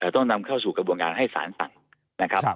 ต้องนำเข้าสู่กระบวนการให้สารสั่งนะครับ